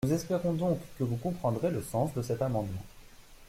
Nous espérons donc que vous comprendrez le sens de cet amendement.